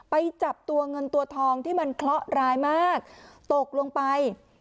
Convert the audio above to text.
ไปจับตัวเงินตัวทองที่มันเคราะห์ร้ายมากตกลงไป